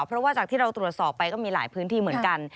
เพราะว่าจากที่เราตรวจสอบไปก็มีหลายพื้นที่เหมือนกัน